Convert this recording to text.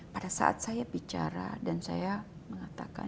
pada saat saya bicara dan saya mengatakan